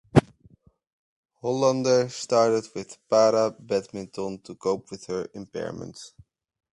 Hollander started with para badminton to cope with her impairement.